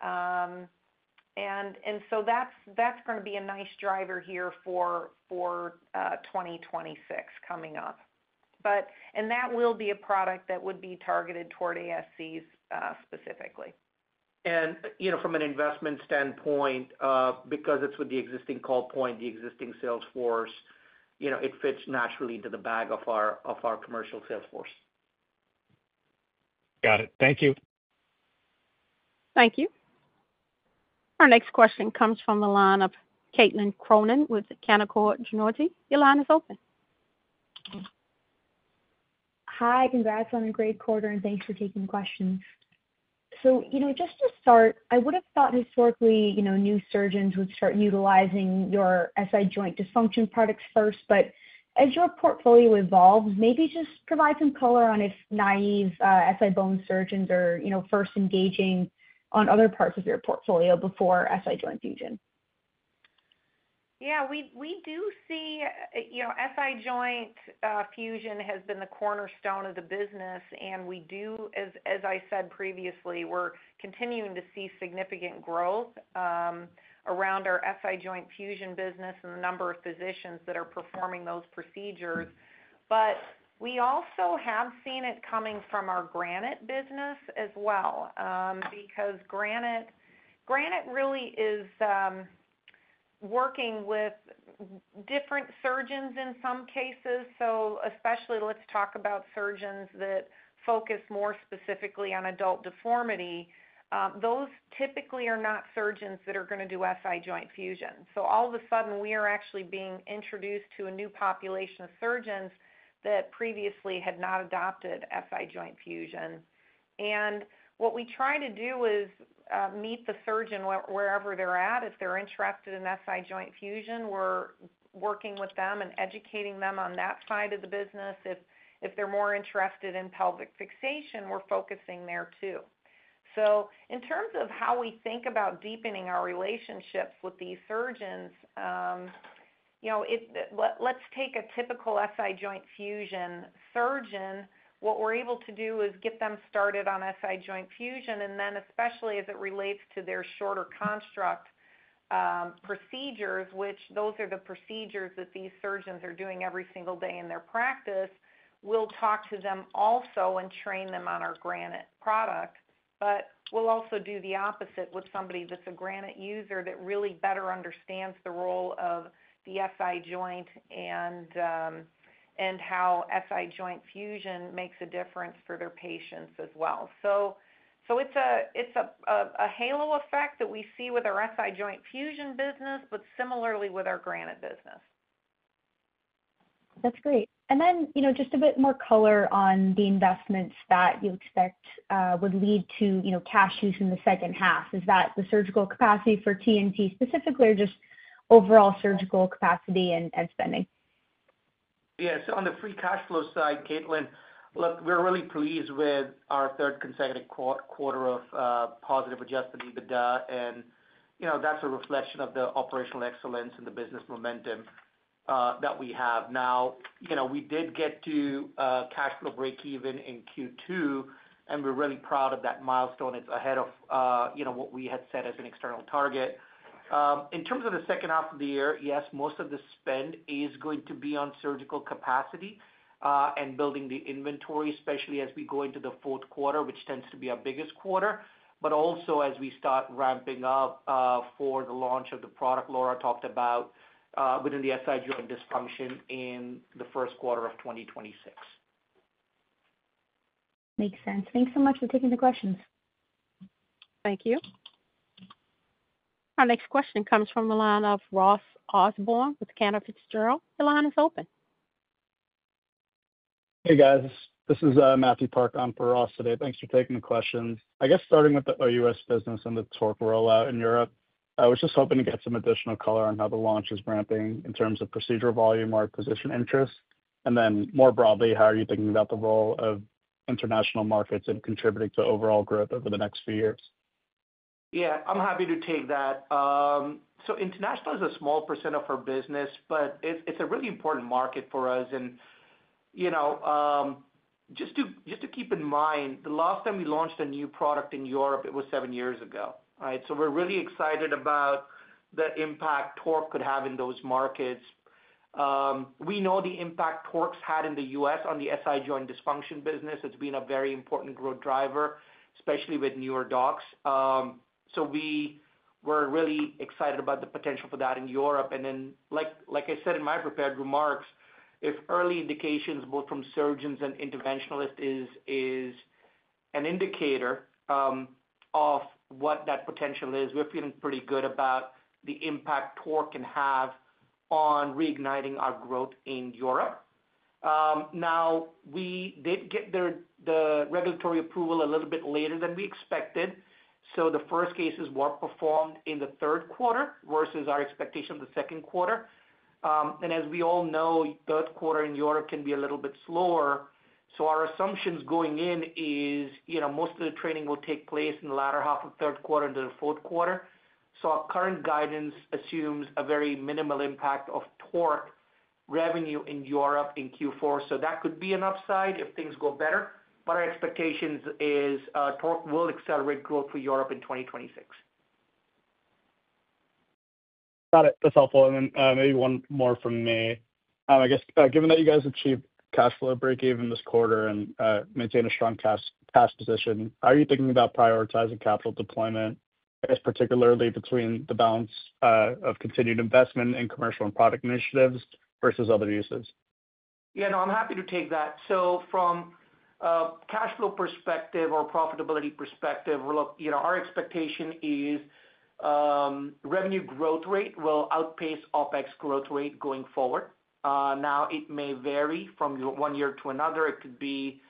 That's going to be a nice driver here for 2026 coming up. That will be a product that would be targeted toward ASCs specifically. From an investment standpoint, because it's with the existing call point, the existing sales force, it fits naturally into the bag of our commercial sales force. Got it. Thank you. Thank you. Our next question comes from the line of Caitlin Cronin with Canaccord Genuity. Your line is open. Hi. Congrats on a great quarter, and thanks for taking questions. Just to start, I would have thought historically new surgeons would start utilizing your SI joint dysfunction products first, but as your portfolio evolves, maybe just provide some color on if naive SI-BONE surgeons are first engaging on other parts of your portfolio before SI joint fusion. We do see SI joint fusion has been the cornerstone of the business. As I said previously, we're continuing to see significant growth around our SI joint fusion business and the number of physicians that are performing those procedures. We also have seen it coming from our Granite business as well, because Granite really is working with different surgeons in some cases. Especially, let's talk about surgeons that focus more specifically on adult deformity. Those typically are not surgeons that are going to do SI joint fusion. All of a sudden, we are actually being introduced to a new population of surgeons that previously had not adopted SI joint fusion. What we try to do is meet the surgeon wherever they're at. If they're interested in SI joint fusion, we're working with them and educating them on that side of the business. If they're more interested in pelvic fixation, we're focusing there, too. In terms of how we think about deepening our relationships with these surgeons, let's take a typical SI joint fusion surgeon. What we're able to do is get them started on SI joint fusion, and then especially as it relates to their shorter construct procedures, which are the procedures that these surgeons are doing every single day in their practice, we'll talk to them also and train them on our Granite product. We'll also do the opposite with somebody that's a Granite user that really better understands the role of the SI joint and how SI joint fusion makes a difference for their patients as well. It's a halo effect that we see with our SI joint fusion business, but similarly with our Granite business. That's great. Just a bit more color on the investments that you expect would lead to cash use in the second half. Is that the surgical capacity for TNT specifically or just overall surgical capacity and spending? Yes. On the free cash flow side, Caitlin, look, we're really pleased with our third consecutive quarter of positive adjusted EBITDA. That's a reflection of the operational excellence and the business momentum that we have now. We did get to cash flow breakeven in Q2, and we're really proud of that milestone. It's ahead of what we had set as an external target in terms of the second half of the year. Most of the spend is going to be on surgical capacity and building the inventory, especially as we go into the fourth quarter, which tends to be our biggest quarter, but also as we start ramping up for the launch of the product Laura talked about within the SI joint dysfunction in the first quarter of 2026. Makes sense. Thanks so much for taking the questions. Thank you. Our next question comes from the line of Ross Osborne with Cantor Fitzgerald. The line is open. Hey guys, this is Matthew Park on for Oppenheimer. Thanks for taking the questions. I guess starting with the OUS business and the TORQ rollout in Europe, I was just hoping to get some additional color on how the launch is ramping in terms of procedural volume or acquisition interest. More broadly, how are you thinking about the role of international markets in contributing to overall growth over the next few years? Yeah, I'm happy to take that. International is a small percent of our business, but it's a really important market for us. Just to keep in mind, the last time we launched a new product in Europe, it was seven years ago. We're really excited about the impact TORQ could have in those markets. We know the impact TORQ's had in the U.S. on the SI joint dysfunction business. It's been a very important growth driver, especially with newer docs. We're really excited about the potential for that in Europe. Like I said in my prepared remarks, if early indications, both from surgeons and interventionalists, is an indicator of what that potential is, we're feeling pretty good about the impact TORQ can have on reigniting our growth in Europe. We did get the regulatory approval a little bit later than we expected. The first cases were performed in the third quarter versus our expectation of the second quarter. As we all know, third quarter in Europe can be a little bit slower. Our assumptions going in is most of the training will take place in the latter half of third quarter into the fourth quarter. Our current guidance assumes a very minimal impact of TORQ revenue in Europe in Q4. That could be an upside if things go better. Our expectations is TORQ will accelerate growth for Europe in 2026. Got it. That's helpful. Maybe one more from me. I guess, given that you guys achieved cash flow breakeven this quarter and maintain a strong cash position, how are you thinking about prioritizing capital deployment, particularly between the balance of continued investment in commercial and product initiatives versus other uses? Yeah, I'm happy to take that. From a cash flow perspective or profitability perspective, our expectation is revenue growth rate will outpace OpEx growth rate going forward. It may vary from one year to another. It could be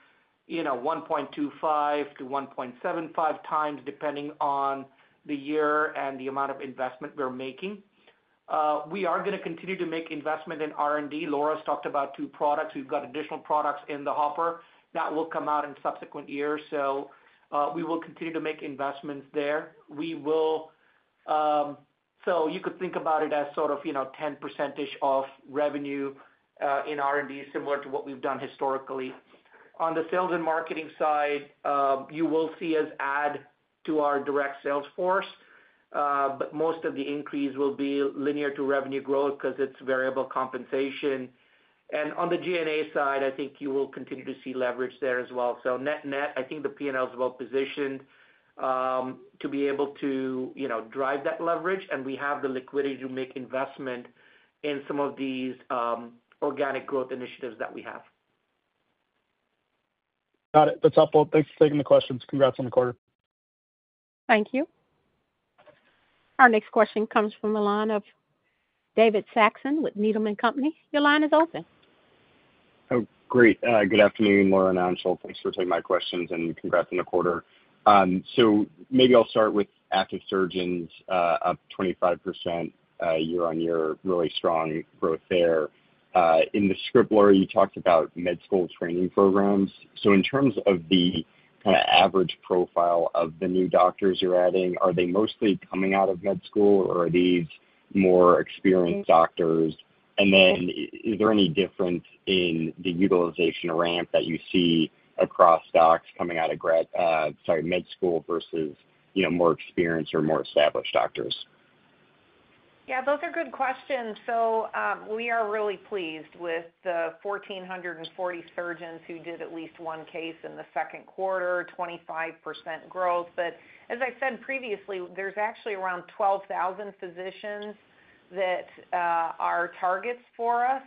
1.25x to 1.75x, depending on the year and the amount of investment we're making. We are going to continue to make investment in R&D. Laura's talked about two products. We've got additional products in the hopper that will come out in subsequent years. We will continue to make investments there. You could think about it as sort of, you know, 10% of revenue in R&D, similar to what we've done historically. On the sales and marketing side, you will see us add to our direct sales force, but most of the increase will be linear to revenue growth because it's variable compensation. On the G&A side, I think you will continue to see leverage there as well. Net, net, I think the P&L is well positioned to be able to, you know, drive that leverage and we have the liquidity to make investment in some of these organic growth initiatives that we have. Got it. That's helpful. Thanks for taking the questions. Congrats on the quarter. Thank you. Our next question comes from the line of David Saxon with Needham & Company. Your line is open. Oh, great. Good afternoon, Laura and Anshul. Thanks for taking my questions. Congrats on the quarter. Maybe I'll start with active surgeons up 25% year-on-year. Really strong growth there. In the script, Laura, you talked about med school training programs. In terms of the kind of average profile of the new doctors you're adding, are they mostly coming out of med school or are these more experienced doctors? Is there any difference in the utilization ramp that you see across docs coming out of med school versus more experienced or more established doctors? Yeah, those are good questions. We are really pleased with the 1,440 surgeons who did at least one case in the second quarter, 25% growth. As I said previously, there's actually around 12,000 physicians that are targets for us,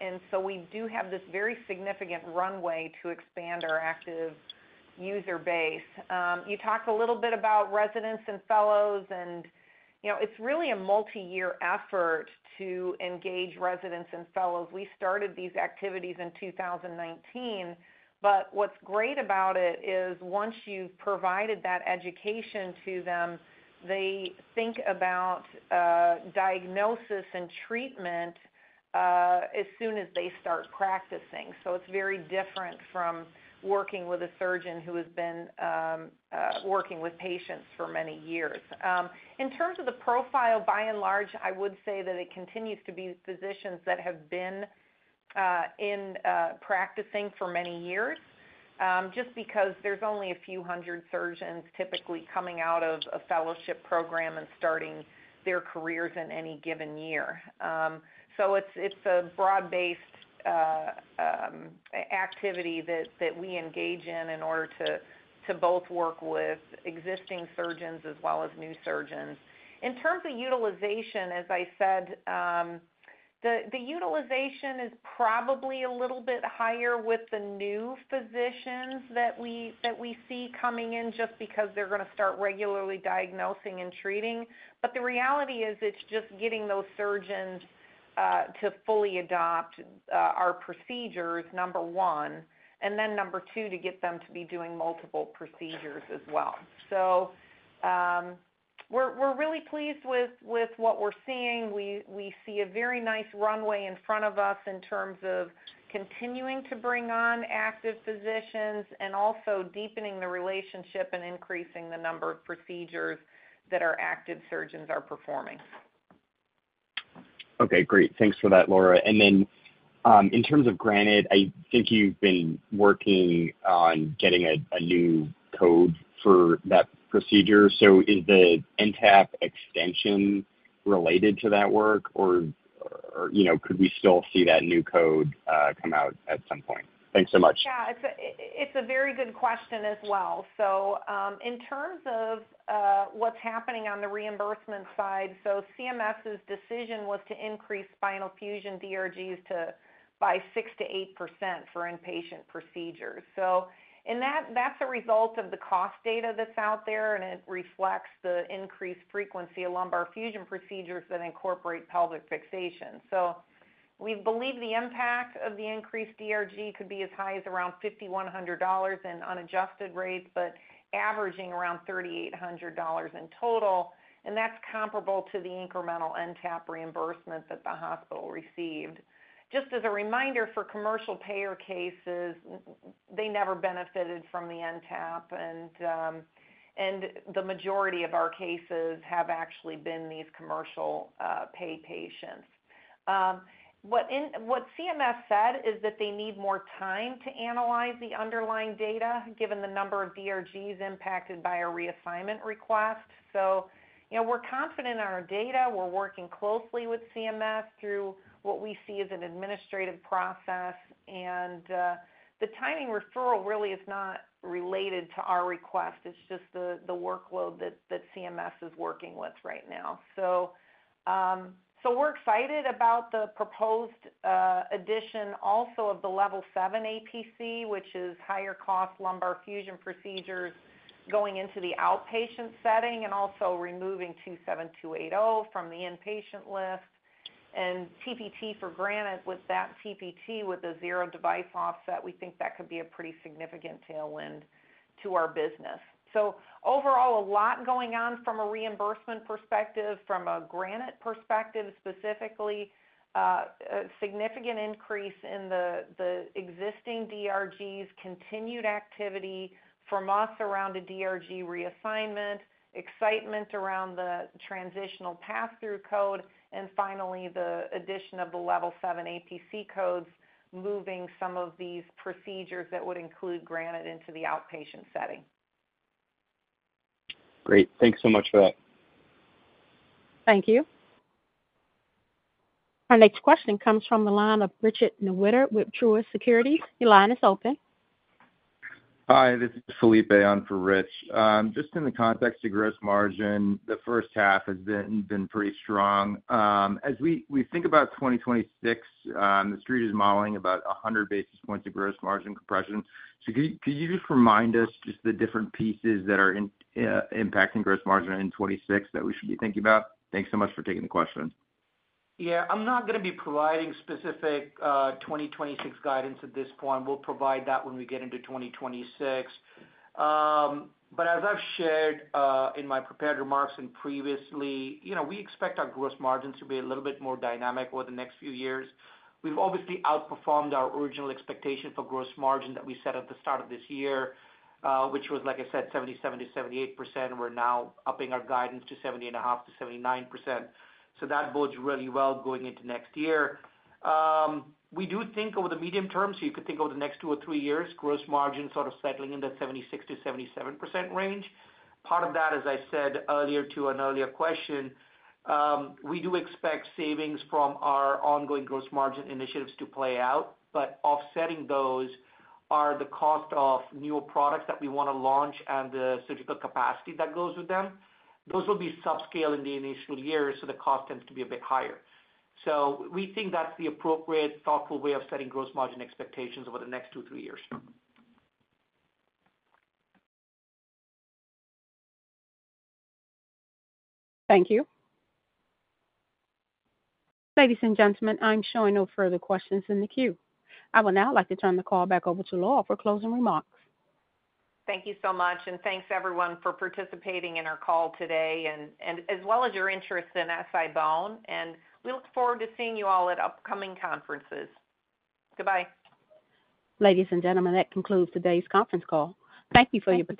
and we do have this very significant runway to expand our active user base. You talked a little bit about residents and fellows, and you know, it's really a multi-year effort to engage residents and fellows. We started these activities in 2019. What's great about it is once you've provided that education to them, they think about diagnosis and treatment as soon as they start practicing. It's very different from working with a surgeon who has been working with patients for many years. In terms of the profile, by and large, I would say that it continues to be physicians that have been in practicing for many years, just because there's only a few hundred surgeons typically coming out of a fellowship program and starting their careers in any given year. It's a broad-based activity that we engage in in order to both work with existing surgeons as well as new surgeons. In terms of utilization, as I said, the utilization is probably a little bit higher with the new physicians that we see coming in just because they're going to start regularly diagnosing and treating. The reality is it's just getting those surgeons to fully adopt our procedures, number one, and then number two to get them to be doing multiple procedures as well. We are really pleased with what we're seeing. We see a very nice runway in front of us in terms of continuing to bring on active physicians and also deepening the relationship and increasing the number of procedures that our active surgeons are performing. Okay, great. Thanks for that, Laura. In terms of Granite, I think you've been working on getting a new code for that procedure. Is the NTAP extension related to that work, or could we still see that new code come out at some point? Thanks so much. Yeah, it's a very good question as well. In terms of what's happening on the reimbursement side, CMS's decision was to increase spinal fusion DRGs by 6%-8% for inpatient procedures. That's a result of the cost data that's out there, and it reflects the increased frequency of lumbar fusion procedures that incorporate pelvic fixation. We believe the impact of the increased DRG could be as high as around $5,100 in unadjusted rates, but averaging around $3,800 in total. That's comparable to the incremental NTAP reimbursement that the hospital received. Just as a reminder, for commercial payer cases, they never benefited from the NTAP, and the majority of our cases have actually been these commercial pay patients. What CMS said is that they need more time to analyze the underlying data given the number of DRGs impacted by a reassignment request. We're confident on our data. We're working closely with CMS through what we see is an administrative process. The timing referral really is not related to our request. It's just the workload that CMS is working with right now. We're excited about the proposed addition also of the level 7 APC, which is higher cost lumbar fusion procedures going into the outpatient setting, and also removing 27280 from the inpatient list and TPT for granted. With that TPT with a zero device offset, we think that could be a pretty significant tailwind to our business. Overall, a lot going on from a reimbursement perspective. From a Granite perspective specifically, significant increase in the existing DRGs, continued activity from us around a DRG reassignment, excitement around the transitional pass-through code, and finally the addition of the level 7 APC codes, moving some of these procedures that would include Granite into the outpatient setting. Great. Thanks so much for that. Thank you. Our next question comes from the line of Richard Newitter with Truist Securities. Your line is open. Hi, this is Felipe on for Rich. Just in the context of gross margin, the first half has been pretty strong as we think about 2026. The street is modeling about 100 basis points of gross margin compression. Could you just remind us the different pieces that are impacting gross margin in 2026 that we should be thinking about? Thanks so much for taking the question. I'm not going to be providing specific 2026 guidance at this point. We'll provide that when we get into 2026. As I've shared in my prepared remarks and previously, we expect our gross margins to be a little bit more dynamic over the next few years. We've obviously outperformed our original expectation for gross margin that we set at the start of this year, which was, like I said, 77%-78%. We're now upping our guidance to 78.5%-79%. That bodes really well going into next year. We do think over the medium term, you could think over the next two or three years, gross margin sort of settling in that 76%-77% range. Part of that, as I said earlier to an earlier question, we do expect savings from our ongoing gross margin initiatives to play out, but offsetting those are the cost of newer products that we want to launch and the surgical capacity that goes with them. Those will be subscale in the initial years, so the cost tends to be a bit higher. We think that's the appropriate, thoughtful way of setting gross margin expectations over the next two, three years. Thank you, ladies and gentlemen. I'm showing no further questions in the queue. I would now like to turn the call back over to Laura for closing remarks. Thank you so much and thanks everyone for participating in our call today, as well as your interest in SI-BONE, and we look forward to seeing you all at upcoming conferences. Goodbye, ladies and gentlemen. That concludes today's conference call. Thank you for your participation.